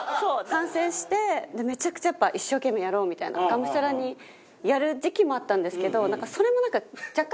反省してめちゃくちゃやっぱ一生懸命やろうみたいながむしゃらにやる時期もあったんですけど。